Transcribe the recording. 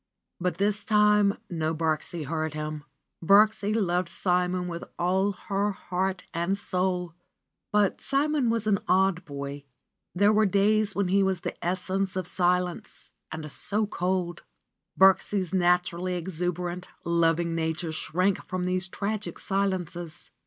But this time no Birksie heard him. Birksie loved Simon with all her heart and soul. But Simon was an odd boy. There were days when he was the essence of silence and so cold. Birksie's naturally exuberant, loving nature shrank from these tragic silences.